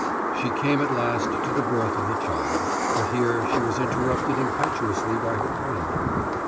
She came at last to the birth of the child, but here she was interrupted impetuously by her friend.